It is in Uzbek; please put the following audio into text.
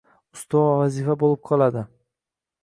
ustuvor vazifa bo‘lib qoladi.